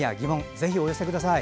ぜひ、お寄せください。